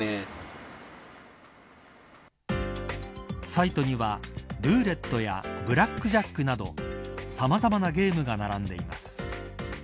サイトにはルーレットやブラックジャックなどさまざまなゲームが並んでいます。